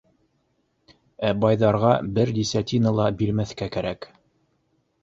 Ә байҙарға бер десятина ла бирмәҫкә кәрәк.